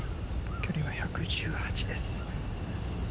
距離は１１８です。